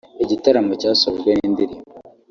Igitaramo cyasojwe n'indirimbo